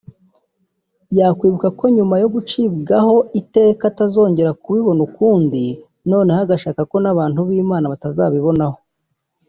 yakwibuka ko nyuma yo gucirwaho iteka atazongera kubibona ukundi noneho agashaka ko n’abantu b’Imana batazabibonaho